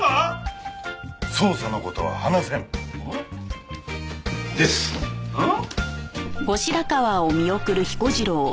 捜査の事は話せん。はあ？です。はあ？